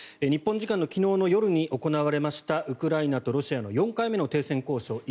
日本時間の昨日の夜に行われましたウクライナとロシアの４回目の停戦交渉